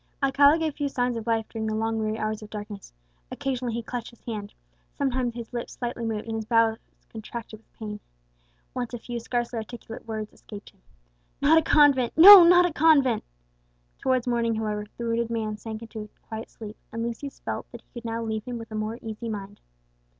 Alcala gave few signs of life during the long weary hours of darkness. Occasionally he clutched his hand, sometimes his lips slightly moved and his brow was contracted with pain. Once a few scarcely articulate words escaped him: "Not a convent no, not a convent!" Towards morning, however, the wounded man sank into quiet sleep; and Lucius felt that he could now leave him with a more easy mind.